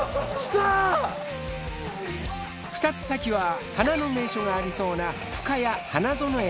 ２つ先は花の名所がありそうなふかや花園駅。